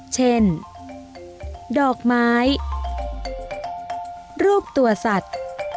เช่นดอกไม้รูปตัวสัตว์